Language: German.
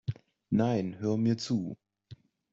Nein, hör mir zu!